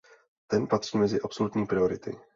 Ten patří mezi absolutní priority.